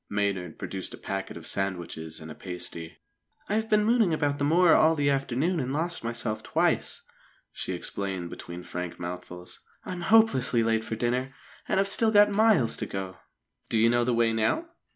Maynard produced a packet of sandwiches and a pasty. "I've been mooning about the moor all the afternoon and lost myself twice," she explained between frank mouthfuls. "I'm hopelessly late for dinner, and I've still got miles to go." "Do you know the way now?"